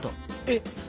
えっ！